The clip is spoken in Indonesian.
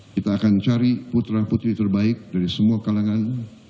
kita akan cari putra putri terbaik dari semua kalangan